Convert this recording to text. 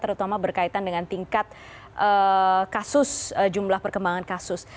terutama berkaitan dengan tingkat kasus jumlah perkembangan kasus